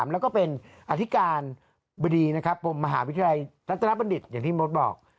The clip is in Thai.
และเป็นอธิกรบริมาหาวิทยาลัยทรัทธบันติศ